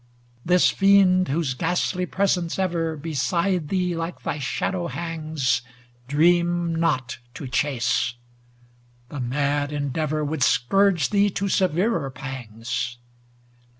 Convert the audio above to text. This fiend, whose ghastly presence ever Beside thee like thy shadow hangs. Dream not to chase; ŌĆö the mad endeavor Would scourge thee to severer pangs.